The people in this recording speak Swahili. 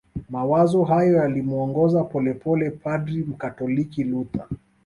Mawazo hayo yalimuongoza polepole padri mkatoliki Luther